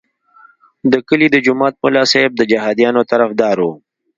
د کلي د جومات ملا صاحب د جهادیانو طرفدار وو.